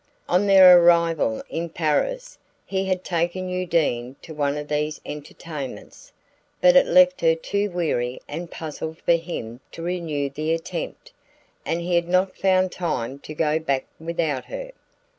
On their arrival in Paris he had taken Undine to one of these entertainments, but it left her too weary and puzzled for him to renew the attempt, and he had not found time to go back without her.